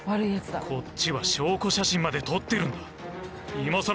こっちは証拠写真まで撮ってるんだ今さら